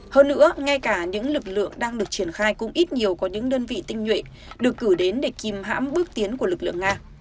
hơn nữa ngay cả những lực lượng đang được triển khai cũng ít nhiều có những đơn vị tinh nhuệ được cử đến để kìm hãm bước tiến của lực lượng nga